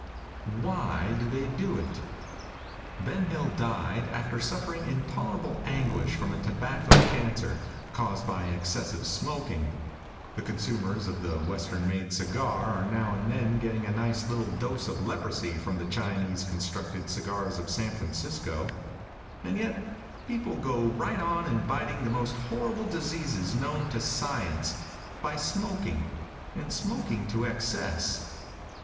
WHY DO THEY DO IT? |BEN HILL, died, after suffering intolerable anguish from a tobacco cancer, caused by excessive smoking. The consumers of the western made cigar are now and then getting a nice little dose of leprosy from the Chinese constructed cigars of San Francisco, and yet people go right on inviting the most horrible diseases known to science, by smoking, and smoking to excess.